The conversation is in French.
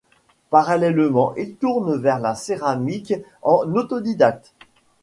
Parallèlement, il se tourne vers la céramique en autodidacte.